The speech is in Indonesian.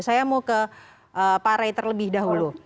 saya mau ke pak rey terlebih dahulu